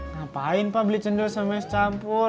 ngapain pak beli cendol sama es campur